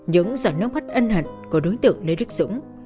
những giọt nước mắt ân hận của đối tượng lê đức dũng